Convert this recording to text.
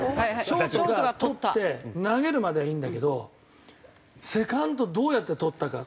ショートが捕って投げるまではいいんだけどセカンドどうやって捕ったか。